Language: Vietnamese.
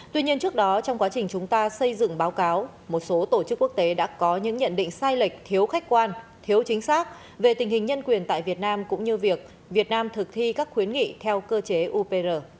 tuy nhiên trước đó trong quá trình chúng ta xây dựng báo cáo một số tổ chức quốc tế đã có những nhận định sai lệch thiếu khách quan thiếu chính xác về tình hình nhân quyền tại việt nam cũng như việc việt nam thực thi các khuyến nghị theo cơ chế upr